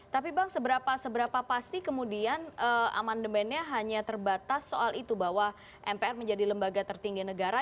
tapi bang seberapa pasti kemudian amandemennya hanya terbatas soal itu bahwa mpr menjadi lembaga tertinggi negara